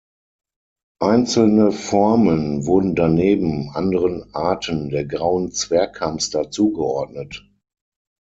Einzelne Formen wurden daneben anderen Arten der Grauen Zwerghamster zugeordnet.